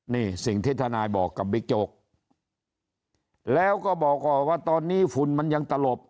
นี่สิ่งที่ทนายบอกกับบิ๊กโจ๊กแล้วก็บอกออกว่าตอนนี้ฝุ่นมันยังตลบ